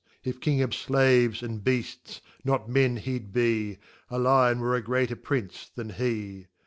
If King of Slaves and Beajis, not Men he'd he, A Lyon were a greater Prince than be.